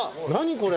これ。